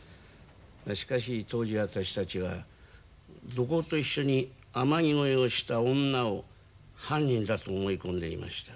しかし当時私たちは土工と一緒に天城越えをした女を犯人だと思い込んでいました。